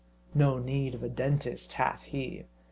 No need of a dentist hath he.